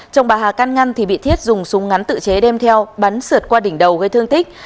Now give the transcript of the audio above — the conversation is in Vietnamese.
chồng bà hà can ngăn thì bị thiết dùng súng ngắn tự chế đem theo bắn sượt qua đỉnh đầu gây thương tích